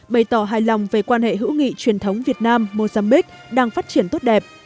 bày tỏ hài lòng về quan hệ hữu nghị truyền thống việt nam mozambique đang phát triển tốt đẹp